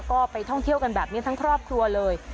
ก็ไปท่องเที่ยวกันแบบนี้ทั้งครอบครัวเลย